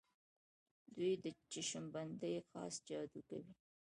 دوی د چشم بندۍ خاص جادو کوي.